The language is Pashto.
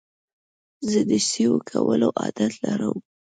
زه د سیو کولو عادت لرم.